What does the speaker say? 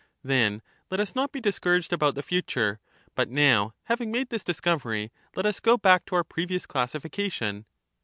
Then let us not be discouraged about the future ; but Recapitu now having made this discovery, let us go back to our ^^<2'^^™ previous classification.